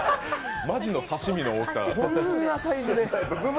マジの刺身の大きさ。